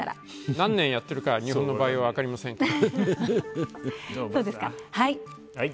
何年やってるか日本の場合は分かりませんから。